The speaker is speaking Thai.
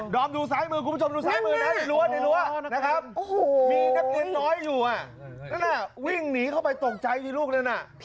ดอมดูซ้ายมือคุณผู้ชมดูซ้ายมือนะ